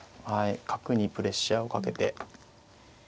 角にプレッシャーをかけて。